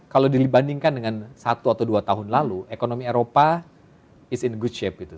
kalau dibandingkan dengan satu atau dua tahun lalu ekonomi eropa is in goodshape gitu